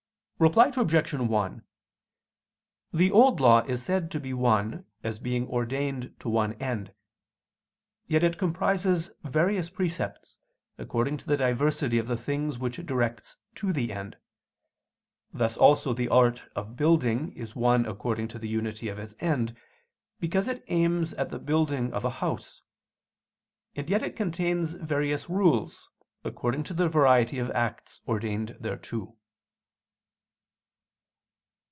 Reply Obj. 1: The Old Law is said to be one as being ordained to one end: yet it comprises various precepts, according to the diversity of the things which it directs to the end. Thus also the art of building is one according to the unity of its end, because it aims at the building of a house: and yet it contains various rules, according to the variety of acts ordained thereto.